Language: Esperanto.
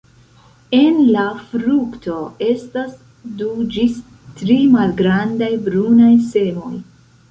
En la frukto estas du ĝis tri malgrandaj brunaj semoj.